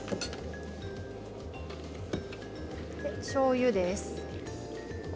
しょうゆです。